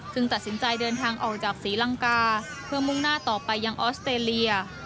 ตัดสินใจเดินทางออกจากศรีลังกาเพื่อมุ่งหน้าต่อไปยังออสเตรเลีย